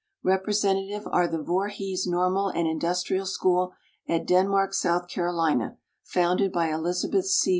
Representa tive are the Voorhees Normal and Industrial School, at Denmark, S. C., founded by Elizabeth C.